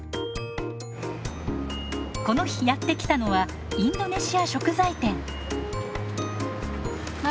この日やって来たのはインドネシア食材店。